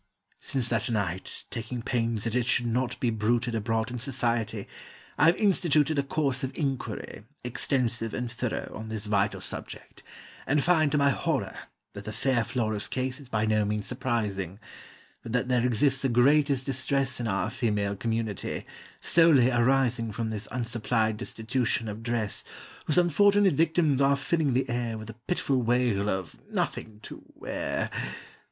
Since that night, taking pains that it should not be bruited Abroad in society, I've instituted A course of inquiry, extensive and thorough, On this vital subject, and find, to my horror, That the fair Flora's case is by no means surprising, But that there exists the greatest distress In our female community, solely arising From this unsupplied destitution of dress, Whose unfortunate victims are filling the air With the pitiful wail of "Nothing to wear."